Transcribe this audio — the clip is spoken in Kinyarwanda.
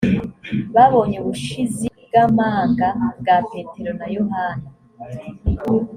babonye ubushizi bw amanga bwa petero na yohana